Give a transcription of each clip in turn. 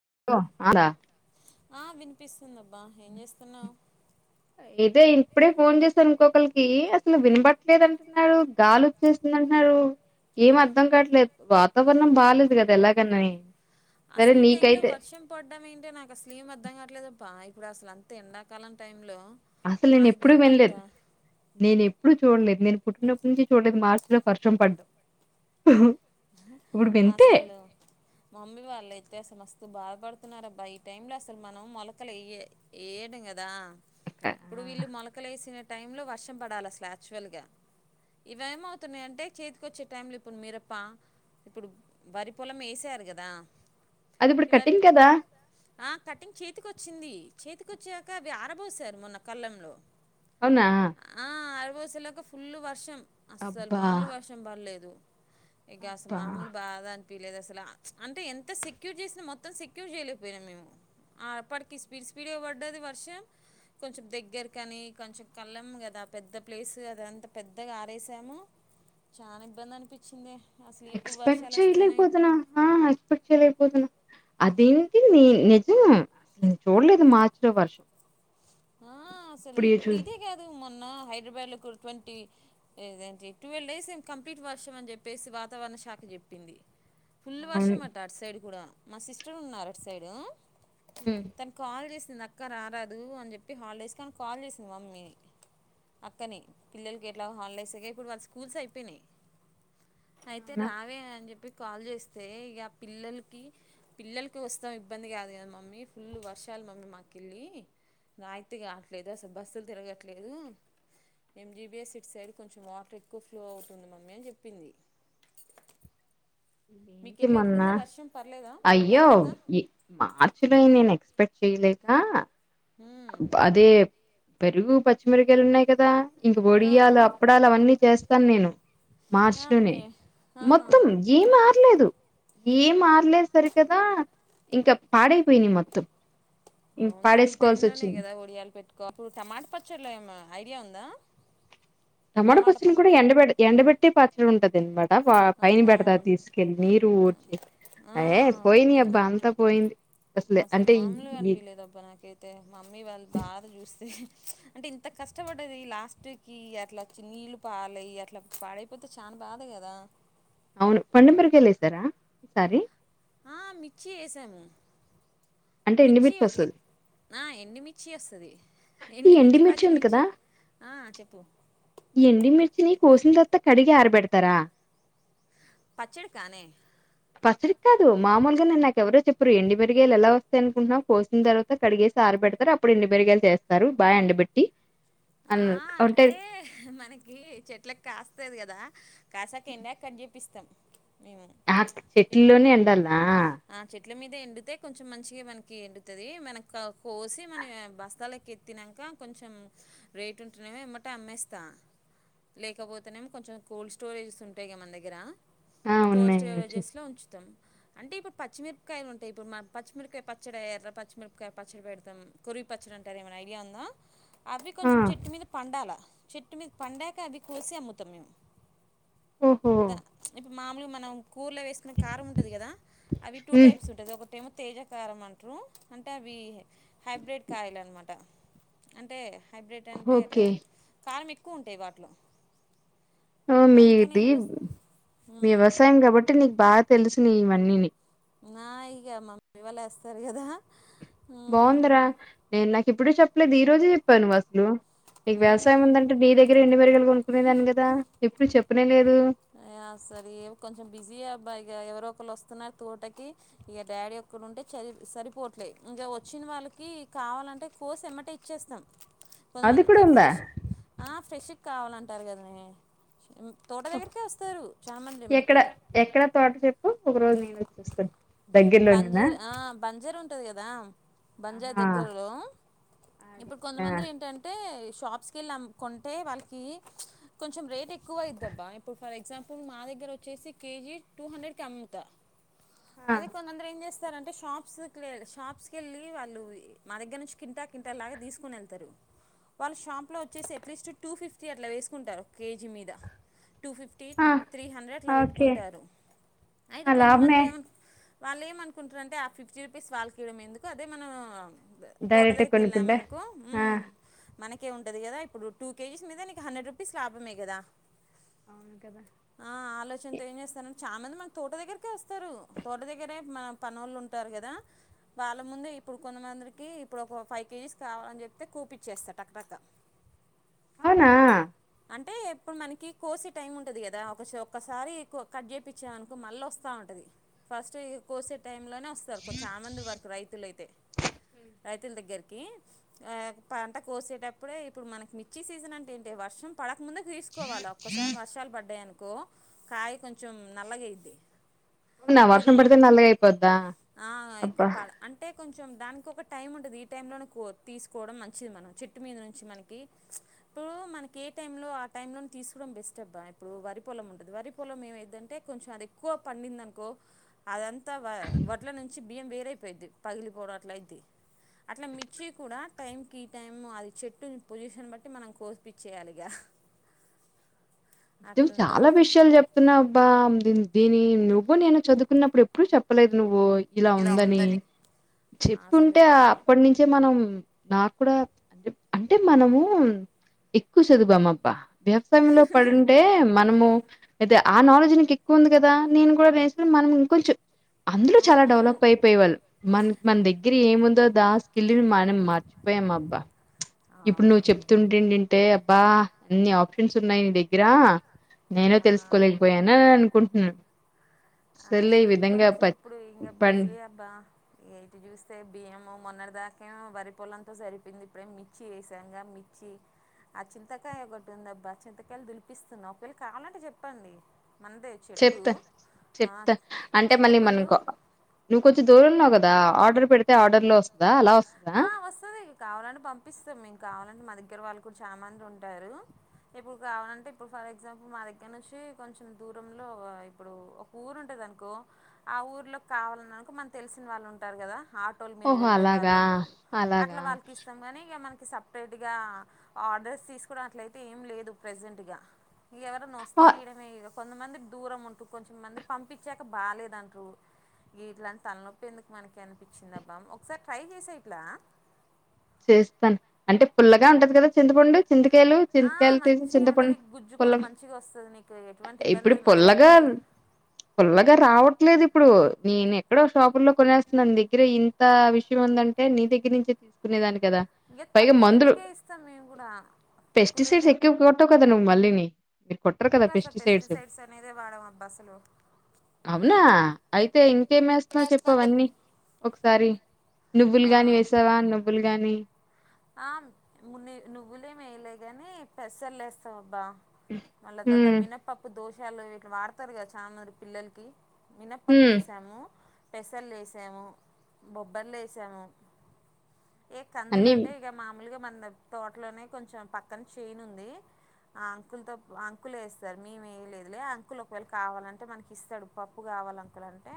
[unintelligible] ఆ వినిపిస్తుంది అబ్బా ఏం చేస్తున్నావు ఇదే ఇప్పుడే ఫోన్ చేసాను ఇంకొకరికి అసలు వినబట్లేదు అంటున్నారుడు గాలి వచ్చేస్తుంది అంటున్నారుడు ఏం అర్ధం కాట్లేదు వాతావరణం బాేదు కదా ఎలాగని అసలు ఈ టై లో వర్షం పడ్డం ఏంటే నాకు అసలు ఏం అద్దం కావట్లేదు పా ఇప్పుడు అసలు అంత ఎండాకాలం టై లో అసలు నేను ఎప్పుడూ [unintelligible] నేను ఎప్పు [unintelligible] చూడలేదు నేను పుట్టినప్పటి నుంచి చూడలేదు మార్చి లో వర్షం పడ్డం ఇప్పుడు వింతే అసలు మమ్మీ వాళ్ళు మస్త అ బాధపడుతున్నారబ్బా ఈ టై లో అసలు మనం మొలకలు [unintelligible] వేయడం కదా అక్క. ఆ! ఇప్పుడు వీళ్ళు మలకలేసినట్టు టైంలో వర్షం పడాల అసలు యాక్చువల్ గా ఇవేమవుతున్నాయి అంటే చేతికి వచ్చే టైంలో ఇప్పుడు మిరప్ప ఇప్పుడు వరి పొలం వేసారు కదా అది ఇప్పుడు ఇవారి కటింగ్ కదా ఆ కటింగ్ చేతికి వచ్చింది చేతికొచ్చాక అవి ఆరబోసారు మొన్న కళ్ళంలో అవునా [unintelligible] ఫుల్లు వర్షం అస్సలు అబ్బా మామూలు వషం పడలేదు ఇగ అస్ అబ్బా మాముల బాత పిలేదు అసలు అంటే ఎంత సెక్యూర్ చేసినా మొత్తం సెక్యూర్ చేయలేకపోయినాము మేము ఆ అప్పటికి స్పీడ్ స్పీడే పడ్డది వర్షం కొంచెం దగ్గర కాని కొంచెం కళ్ళము కదా ఆ పెద్ద ప్లేస్ అద అంత పెద్దగా ఆరేసాము చాలా ఇబ్బంది అనిపించిందే ఎక్స్పెక్ట్ చేయలి పోతునా ఎక్స్పెక్ట్ చేయలేపోతున్నా అదేంటి నీ నిజం అసలు నేను చూడలేదు మార్చిన వర్షం ఆ అసలు ఇప్పుడు ఇదే కాదు హైదరాబాద్ లో ట్వంటీ ట్వల్ డేస్ ఏమో కంప్లీట్ వర్షాం అని చెప్పేసి వాతావరణ శాఖ చెప్పింది ఫుల్ అవును వాషం అంట అటు సైడ్ కూడా మా సిస్టర్ ఉన్నారు అటు సైడు తను కాల్ [unintelligible] [unintelligible] రారదు అని చెప్ప చెప్పి హాలిడేస్కి కాల్ చేసింది మమ్మీని అక్కని పిల్లలకి ఎట్లా హాలిడేస్ అయ ఇప్పుడు వాళ్ళు స్కూల్స్ అయిపోయినాయి అయితే అవునా రావే అని చెప్పి కాల్ చేస్తే ఇక పిల్లలకి పిల్లలకి వస్తాం ఇబ్బంది కాదు కదా మమ్మీ ఫుల్ వర్షాలు మమ్మీ మాకుళ్ళి [unintelligible] కావట్లేదు అసలు బస్సులు తిరగట్లేదు ఎంజీబిఎస్ సిట్ సైడ్ కొంచెం వాటర్ ఎక్కువ ఫ్లో అవుతుంది మమ్మీ అని చెప్పింది [unintelligible] ఏంటి మీకెళ్ళి మొన్న ఎట్లుంది వర్షం పర్లేదా అయ్యో పడుతుందా మార్చిలో నేను ఎక్స్పెక్ట్ శ్రీలేకా మ్మ్. అబ్బ అదే పెరుగు, పచ్చిమిరగాయలు ఉన్నాయి కదా. ఇంక ఆ వొడియాలు, అప్పడాలు అవన్నీ చేస్తాను నేను. మార్చిలోనే ఓకే ఆహా మొత్తం ఏం ఆర్లేదు. ఏం మార్లే సరి కదా ఇంకా పాడైపోయైనయ్ మొత్తం. ఇ పడేస్ టైమ్ లోనే కదా వడియాలు పెట్టుకో మ ఐడియా ఉందా. టమాట టమాటా ప పచ్చళ్ళు కూడా ఎండ బెడు. ఎండబెట్టి పచ్చడి ఉంటదన్ మ అంత పా పైన ఆహా పెడతా తీసుకెళ్ళి నీరు ఊడ్చి, అయ్ ఆ పోయిని అబ్బా అంతా పోయింది. అసలే అసలు అంటే మాముల్ ఈ అన్పిలేదబ్బా నాకైతే మమ్మీ వాళ్ళు బాధ చూస్తే ప్చ్ అంటే ఇంత కష్టపడ్డది లాస్ట్ కి అట్ల చినీళ్లు పాలైయ్ అట్ల పాడైపోతే చాన బాధ కదా. అవును పండుమిరక్కాయలు లెస్తర, సారి ఆ మిర్చి ఏసాము. అంటే మిర్చి ఎండిమిర్చి ఓకే వస్తది ఆ ఎంన్ని మిర్చి వస్సది. ఈ ఎండిమిర్చి, ఉంది పచ్చిమిర్చి కదా ఆ చెప్పు ఎండిమిర్చిని కోసిన్ తరువాత కడిగి ఆరబెడతారా. పచ్చడి కానే పచ్చడి కాదు మామూలుగా నేనె నాకు ఎవరో చెప్పురు ఎండి బెరిగాయలు ఎలా వస్తాయ్ అనుకుంట్నావ్ పోస్ని తర్వాత కడిగేసి ఆరబెడతారు అప్పుడు ఎండి బెరిగాయలు చేస్తారు బాగా ఎండబెట్టి. ఆ అన్ ఏ ఒట్టెవి మనకి చెట్ల కాస్తది కదా. కాసాక ఎంనాక కజి ప్పిస్తం చెట్లలోనే ఎండాలా ఆ ఆ చెట్ల మీద ఎండితే కొంచెం మంచిగ మనకి ఎండుతది, మనక కోసి మన బస్తాలకి ఎత్తినంక కొంచెం రేట్ ఉంటునమో ఎమ్మటే అమ్మేస్తా, లేకపోతేనేమో కొంచెం కోల్డ్ స్టోరేజెస్ ఉంటాయి గ మన్ దగ్గర. ఆ కోల్ ఉన్నాయి వచ్చేసి స్టెఒజెస్ లో ఉంచుతం. అంటే ఇప్పుడు పచ్చిమిర్పకాయలు ఉంటాయ్, ఇప్పు మ పచ్చిమిర్కాయ పచ్చడి ఎర్ర పచ్చిమిరపకాయ పచ్చడి పెడ్తాం, కొరివి పచ్చడి అంటారు ఏమనా ఐడియా ఉందా. అవి ఆ కొంచెం చెట్టు మీద పండాల. చెట్టు మీద పండాక అది కోసి అమ్ముతం మేము. ఓహో ద చ్ మాములు మనం కూర్లో వేసుకునే కారం ఉంటది కదా. అవి టూ ఉమ్, టైప్స్ ఉంటాది ఒకటి ఏమో తేజకారం అంటారు అంటే అవి హైబ్రిడ్ కాయలు అనమాట అంటే హైబ్రిడ్ అంటే ఎట్లా ఓకే కార్ మీ తక్కువ ఉంటాయి వాటిలో ఆ అందుకని మీది ఏం చేస్త వ్యవసాయం కాబట్టి నీకు బాగా తెలుస ఇ వన్నిని నా ఇక మమ్మీ వాళ్ళ వస్తారు కదా బాఉందిరా నేను నాకు ఇప్పుడు చెప్పలేదు ఈ రోజు చెప్పానువసల్ ఏమో మీకు వ్యవసాయం ఉందంటే నీ దగ్గరే ఎండు మేరగాలు కొనుకునేదాని కదా ఏప్పుడు చెప్ నే లెద్ ఆ సరే కొంచెం బిజీ అబ్బా ఇక ఎవరో ఒకళ్లు వస్తున్నారు తోటకి ఇక డాడీ ఒకక్కడు ఉంటే చరి సరిపోట్లే ఇంక వచ్చిన వాళ్ళకి కావాలంటే కోస్ ఎమ్మటె ఇచ్చేస్తాం అది కూడా కొంతమందికి ఉందా ఫ్రెష్ ఆ ఫ్రెష్ కావాలంటారు కదనే తోటదె గర్ ఎక్కడ ఎక్కడ తోట చెప్పు ఒక రోజు నేను వచ్చేస్తాను బంజర్ ఆ బంజరు ఉంటది కదా బంజా ఆహా దగ్గరలో ఇప్పుడు అచ్చా కొంతమంది ఏంటంటే షాప్స్కి వెళ్ కొంటే వాళ్ళకి కొంచెం రేట్ ఎ ఎక్కువ ఐ దబ్బ ఇప్పుడు ఫర్ ఎగ్ గ్జాంపుల్ మా దగ్గర వచ్చేసి కేజీ టూ హండ్రెడ్కి అమ్ముతా ఆ అదె కొంద్ మందరు ఏం చేస్ స్తార్ అంటే షాప్స్కి వెళ్ళి షాప్స్కి వెళ్ళి వాళ్ళు మా దగ్గర నుంచి కింటా కింటా లాగా తీసుకుొని వెళ్తారు వాళ్ళు షాప్లో వచ్చేసి అట్లీస్ట్ టూ ఫిఫ్టీ అట్లా వేసుకుంటారు కేజీ మీద టూ ఫిఫ్టీ ఆ త్రీ హండ్రెడ్ అట్లా ఓకే పెట్టుకుంటారు అయితే ఆ కొంతమంది లాభమే ఏమన్ వాళ్ళు ఏమనుకుంటారంటే ఆ ఫిఫ్టీ రూపీస్ వాళ్ళకి ఇయ్వడం ఎందుకు అదే మనం తోట డైరెక్టే దగ్గరికి కొనుకుంటె వెళ్ళామనుకో ఆ "మ్మ్, మనకే ఉంటది కదా ఇప్పుడు టూ కేజీస్ మీద నీకు హండ్రెడ్ రూపీస్ లాభమే కదా అవును కదా ఆ ఆలోచన్తో ఏం చేస్తానన్ చాలా మంది మన తోట దగ్గరకే వస్తరు తోట దగ్గరే మనక్ పనోళ్ళు ఉంటారు కదా వాళ్ళ ముందే ఇప్పుడు కొంతమందికి ఇప్పుడు ఒక ఫైవ్ కేజీస్ కావాలని చెప్తే కోపిచ్చేస్తారు టక్ టక్క ఔనా అంటే ఎప్పు మనకి కోసే టైం ఉంటది గదా ఒక ఒక్కసారి కట్ చేపిచ్చిమనుకో మళ్ళీ ఒస్తా ఉంటది ఫస్ట్ ఇ కోసెట్ టైంలోనే ఒస్తరు కీ అ పంట కోసేటప్పుడే ముందు కి కొ కాయ కొంచెం నల్లగైద్ది అవునా కురు వర్షం పడితే నల్లగా అయిపోద్దా ఆ ఎక్కువ్ అబ్బా పడ అంటే కొంచెం దానిక్ ఒక టైం ఉంటది ఈ టైం లోనే కో తీస్కోడం మంచిది మన చెట్టు మీద నుంచి మనకి ఇప్పుడు మనకి ఏ టైమ్లో ఆ టైమ్లోనే తీస్కోవడం బెస్ట్ అబ్బా ఇప్పుడు వరి పొలం ఉంటది వరి పొలం ఏమదంటే కొంచెం అది ఎక్కువ పండిందిను కో అదంత్ వా వడ్ల నుంచి బియ్యం వేరె జం చాలా విష్యాలు చెప్తున్నావ్బ్బా మ్ ఇలా ఉందనీ అసలు చెప్పుంటే ఆ అప్పట్నుంచే మనం నాకుడా అంటే అంటే మనమూ ఎక్కువ చదువామబ్బా వ్యవ్సాయంలో పడ్ టే మనము తే ఆ నాలెడ్జ్ నీకు ఎక్కువ ఉంది గదా నేను గుడా వేను మనం ఇంకొచెం అందులో చాలా అవునవును డెవలప్ ఐపోయే వాళ్ళు మన్ మన దగ్గర్ ఏముందో దా స్కిల్ని మ మనం మర్చిపోయాం అబ్బా బా అన్ని ఆప్షన్స్ ఉన్నాయ్ నీ దగ్రా ఆ నేను తెల్స్కోలేకపోయానా అనుకుంట్నాను ఆ సర్ కొంచెం ఇప్పుడు ఇంగ పం బిజీ అబ్బా ఇట్ జుస్తే బియ్యము మోన్నటి దా య వరి పొలం మందే చెట్టూ త అంటె మళ్ళీ మనంకో నువ్వుకొంచం దు న్నావు గదా ఆర్డర్ పెడ్తే ఆర్డర్లో వస్త ఆ ఒస్తది కావాలంటే పంపిస్తాం మికు కావాలంటే మనీ దగ్గర వాళ్ళు గుడా చాలా మంది ఉంటారు ఇప్పుడు కావాలంటే ఇప్పుడు ఫర్ ఎగ్జాంపుల్ మా దగ్గర్నుంచి కొంచెం దూరంలో ఇప్పుడు ఒక ఊరు ఉంటుందినుకో ఆ ఊర్లోకి కావాలనినుకో మన తెల్సిన వాళ్ళు ఉంటరు గదా ఆటోల్ మీద వెళ్ళేవాళ్ళు అలాగ ఇగ మన్కి సప్రేట్గా ఆర్డర్స్ తీస్కోడం అట్లైతే ఏం లేదు ప్రసెంట్గా ఇగేవరన ఆ ఒస్తే ఈడనె ఇగ కొంతమంది దూరం ఉంటురు కొంచెంమంది పంపించాక బాలేదంటురు ఇట్లాంటి తలనొప్పి ఎందుకు మనకి అనిపించిందబ్బా ఒకసారి ట్రై చేసే పిల్లా చేస్తాను అంటే పుల్లగా ఉంటది కదా చింతపండు చింతకాయలు ఆ చింతకాయలు తీసి మంచిగా ఉంటుంది చింతపండు గుజ్జు కూడా పొల్లం మంచిగా వస్తుంది నీకు ఎటువంటి ఇబ్బంది ఇప్పుడు లేదు మన పుల్లగా చెట్టి పుల్లగా రావట్లేదు ఇప్ ఇప్పుడు నేను ఎక్కడో షాపుల్లో కొనేస్తున్నా నీ దగ్గర ఇంత విషయం ఉందంటే నీ దగ్గర నుంచే తీసు కురై దాన్ని ఇంకా తక్కువ రేటుకే ఇస్తాం మేము కూడా తక్కువ రేటే ఉంటావ్ కద నువ్ మళ్ళిని మీరు కొట్టరు కదా అసలు పెస్టిసైడ్స్ అనేదే వాడం అబ్బా అసలు అవునా అయితే ఇం కేం వేస్తున్నావో చెప్పు వేస్తున్నా చెప్ అవన్నీ ఒకసారి నువ్వులు గాని ఆ వేసావా నువ్ కానీ ఆ మున్నె నువ్వులే మేలే గాని పెసలేస్తావబ్బా మళ్ళ తత హ్మ్ మీన పప్పు దోష్ విషయాల్లో వీట్లు వాడతారు కదా చాలాన్నారు పిల్లలకి హ్మ్ మినప్పప్పేసాము పెసలేసాము బొబ్బర్లేసాము అన్నీ మామూలుగా మన తోటలోనే కొంచెం పక్కన చేనుంది ఆ అంకుల్తో అంకుల్ వేసారు మేమేయలేదులే అంకుల్ ఒకవేళ కావాలంటే మనకి ఇస్తాడు పప్పు కావాలి అంకుల్ అంటే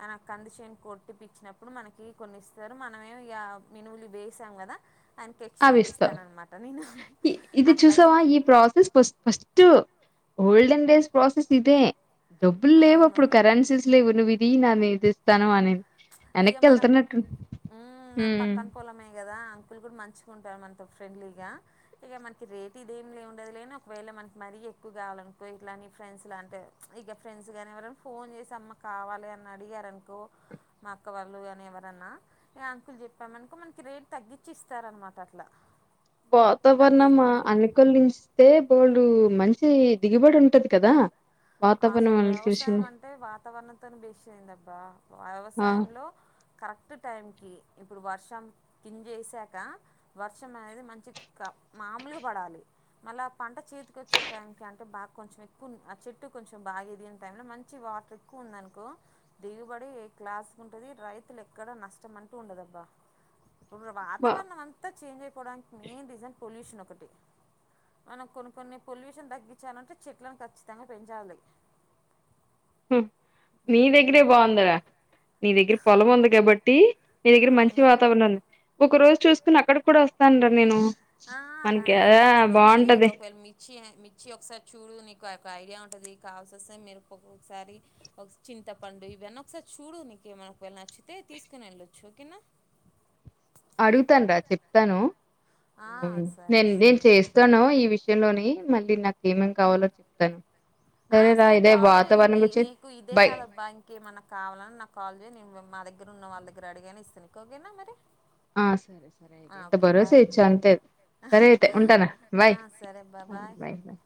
ఆయన కంది చేను కొట్టిపిచ్చినప్పుడు మనకి కొన్ని ఇస్తారు మనమే ఇగ మినుములు వేసాం కదా ఆయనకి ఎక్స్చేంజ్ అవిస్తాం ఇస్తానన్నమాట నేను ఇ ఇది అట్లనే చూసావా ఈ process first first olden days process ఇదే డబ్బులు లేవు అప్పుడు అవును కరెన్సీస్ లేవు నువ్వు తీననేది ఇస్తాను అనేది ఇగ మన ఊ మన హ్మ్ పక్కన పొలమే కదా అంకుల్ కూడా మంచి కుంటారు మనతో ఫ్రెండ్లీగా ఇక మనకి రేట్ ఇదేం లే ఉండదు లేని ఒకవేళ మనకి మరీ ఎక్కువ కావాలనుకో ఇట్లాని ఫ్రెండ్స్ లాంటే ఇక ఫ్రెండ్స్ కానీ ఎవరైన ఫోన్ చేసి అమ్మ కావాలి అని అడిగారునుకో మా అక్క వాళ్ళు కాని ఎవరన్నా ఆ అంకులు చెప్పామనుకో మనకి రేట్ తగ్గించి ఇస్తారనమాట అట్లా వాతావరణం కందిపప్పు అనుకూలిస్తే బోల్డు మంచి చి దిగుబడి ఉంటది కదా వాతావరణం అసలు అనుకూలించిన వ్యవసాయం అంటే వాతావరణంతోనే బేస్ అయిందబ్బా ఆ వ్యవసాయంలో కరెక్ట్ టైంకి ఇప్పుడు వర్షం కింజేసాక వర్షం అనేది మంచిక మాములుగా పడాలి మళ్ళ పంట చేతికి వచ్చే టైం కంటే బా కొంచెం ఎక్కువ చెట్ చుట్టు కొంచెం బాగా ఎదిగిన టైంలో మంచి వాటర్ ఎక్కువ ఉందినుకో దిగుబడి క్లాస్గుంటది రైతులు ఎక్కడ నష్టం అంటూ ఉండదబ్బా ఉప్పుడు బా వాతావరణం అంతా చేంజ్ అయిపోడానికి మెయిన్ రీజన్ పొల్యూషన్ ఒకటి మనం కొన్ని కొన్ని పొల్యూషన్ తగ్గించాలంటే చెట్లను కచ్చితంగా పెంచాలి హు నీ దగ్గరే బాగుందరా నీ దగ్గర పొలం ఉంది కాబట్టి నీ దగ్గర మంచి అవును వాతావరణం ఊక ఒక రోజు చూసుకుని అక్కడ కూడా వస్తానరా నేను ఆ మనకి రండి ఆ రండి ఒకసారి వచ్చి బాగుంటది ఒకవేళ మిచ్చిఅయం మి వచ్చి ఒకసారి చూడు నీకు ఆయొక్క ఐడియా ఉంటుంది కావాల్సి వస్తే మినపప్పు సారి చింతపండు ఇవన్నీ ఒకసారి చూడు నీక ఏమైనా ఒక వేల నచ్చితే తీసుకుని వెళ్ళొచ్చు ఓకేనా అడుగుతాను రా చెప్తాను ఆ సరే నేను నేను సరే చేస్తాను ఈ విషయంలోని మళ్ళీ నాకు ఏమేం కావాలో చెప్తాను ఆ రా సరే ఇదే కాల్ వాతావరణం చేయనికి గురించి నీకు ఇదే బై కాదబ్బా ఇంకేమన్నా కావాలని నాకు కాల్ చేయ నే మా ద గ్గర ఉన్న వాళ్ళ దగ్గర అడిగైనా ఇస్తా నీకు ఓగేనా మరి ఆ సరే సరే అయితే ఆ, ఇంత ఓకే భరోసా బాయ్ ఇచ్చవ్ అంతే సరే అయితే ఉంటాను ఆ, బయ్ సరే అబ్బా బాయ్ బయ్ బయ్